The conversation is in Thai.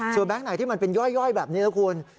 แบงค์ไหนที่มันเป็นย่อยแบบนี้นะคุณ